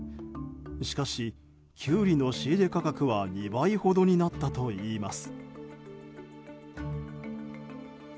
しかし、キュウリの仕入れ価格は２倍ほどになったといいます。